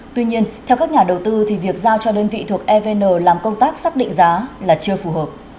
tuy nhiên theo các nhà đầu tư thì việc giao cho đơn vị thuộc evn làm công tác xác định giá là chưa phù hợp